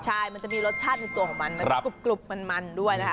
ใช่มันจะมีรสชาติในตัวของมันครับมันมันมันด้วยนะฮะ